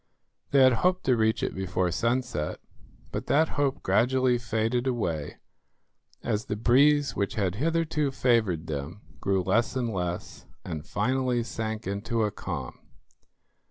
They had hoped to reach it before sunset, but that hope gradually faded away, as the breeze which had hitherto favoured them grew less and less, and finally sank into a calm.